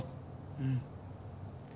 うん。